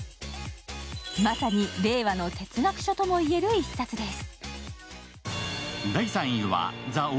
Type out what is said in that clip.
まさに令和の哲学書ともいえる１冊です。